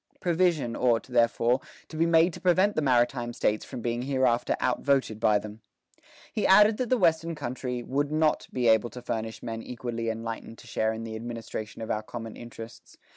Provision ought, therefore, to be made to prevent the maritime States from being hereafter outvoted by them." He added that the Western country "would not be able to furnish men equally enlightened to share in the administration of our common interests.